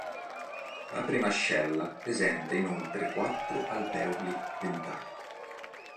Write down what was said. La premascella presenta inoltre quattro alveoli dentali.